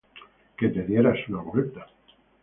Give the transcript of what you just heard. que te dieras una vuelta